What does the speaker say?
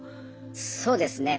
そうですね。